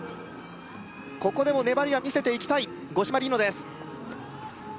ここでも粘りは見せていきたい五島莉乃です